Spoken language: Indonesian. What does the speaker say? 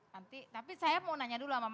nanti tapi saya mau nanya dulu sama